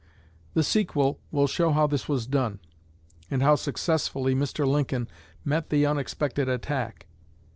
The sequel will show how this was done, and how successfully Mr. Lincoln met the unexpected attack.